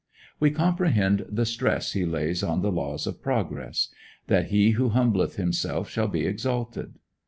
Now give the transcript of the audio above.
We comprehend the stress he lays on the laws of progress, that he who humbleth himself shall be exalted.